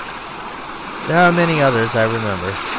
There are many others I remember.